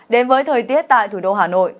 đến với thời tiết tại thủ đô hà nội